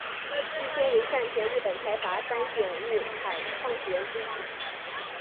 义兄为战前日本财阀三井物产创始人之一。